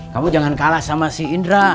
kamu jangan kalah sama si indra